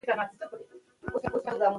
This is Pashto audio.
د نورو غوښې په لاس نه وررسي.